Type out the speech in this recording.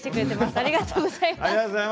ありがとうございます。